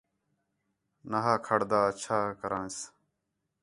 نا ہا کھڑدا اچھا کرانس